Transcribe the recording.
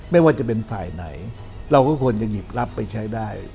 ไม่ว่าจะเป็นฝ่ายไหนเราก็ควรจะหยิบรับไปใช้ได้